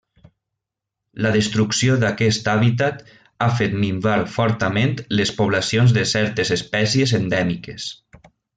La destrucció d'aquest hàbitat ha fet minvar fortament les poblacions de certes espècies endèmiques.